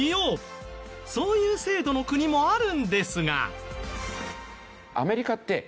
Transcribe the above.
そういう制度の国もあるんですが。